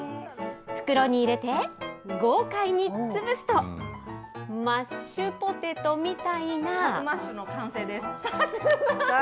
袋に入れて、豪快に潰すと、マッシュポテトみたいな。